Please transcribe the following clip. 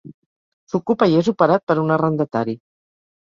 S'ocupa i és operat per un arrendatari.